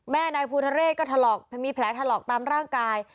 แม่นายพูทะเลก็ทะลอกมีแผลทะลอกตามร่างกาย